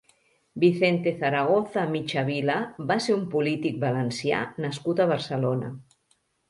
Vicente Zaragoza Michavila va ser un polític valencià nascut a Barcelona.